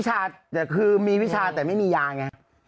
คือมีวิชาแต่ไม่มียาไง